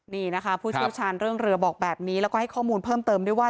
นี่นะคะผู้เชี่ยวชาญเรื่องเรือบอกแบบนี้แล้วก็ให้ข้อมูลเพิ่มเติมด้วยว่า